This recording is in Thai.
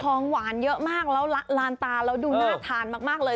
ของหวานเยอะมากแล้วลานตาแล้วดูน่าทานมากเลย